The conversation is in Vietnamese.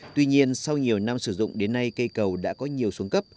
tuy nhiên sau nhiều năm sử dụng đến nay cây cầu đã có nhiều xuống cấp